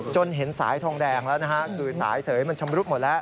จนเห็นสายทองแดงแล้วสายเสริมันชำรุดหมดแล้ว